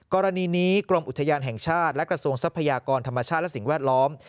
กรณีนี้กรมอุทยานแห่งชาติและกระทรวงทรัพยากรธรรมชาติและสิ่งแวดล้อม